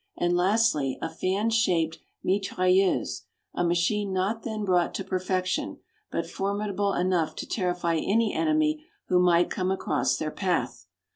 and lastly, a fan shaped mitrailleuse, a machine not then brought to per fection, but formidable enough to terrify any enemy who might come across their path.